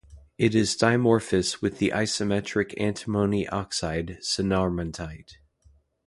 It is dimorphous with the isometric antimony oxide senarmontite.